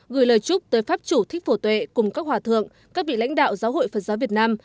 gửi lời chúc tới pháp chủ thích phổ tuệ cùng các hòa thượng các vị lãnh đạo giáo hội phật giáo việt nam